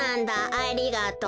ありがとう」。